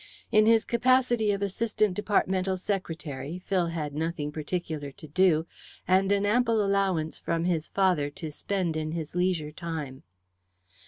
In his capacity of assistant departmental secretary, Phil had nothing particular to do, and an ample allowance from his father to spend in his leisure time.